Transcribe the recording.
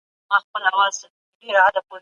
تدريس د محتوا انتقال دی.